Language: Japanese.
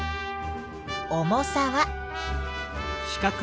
重さは。